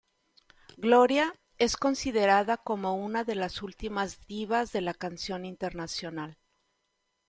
Gloria, Es considerada como una de las últimas divas de la canción internacional.